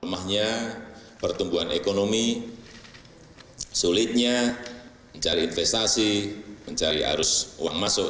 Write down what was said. lemahnya pertumbuhan ekonomi sulitnya mencari investasi mencari arus uang masuk